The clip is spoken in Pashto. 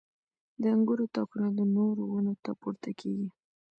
• د انګورو تاکونه د نورو ونو ته پورته کېږي.